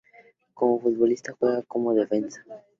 Como futbolista juega como defensa.